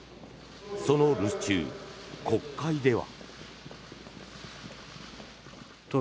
その留守中、国会では。